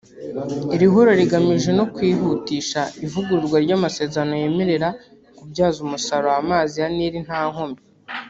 Iri huriro rigamije no kwihutisha ivugururwa ry’amasezerano yemerera kubyaza umusaruro amazi ya Nil nta nkomyi